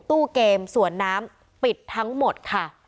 ตู้เกมสวนน้ำปิดทั้งหมดค่ะ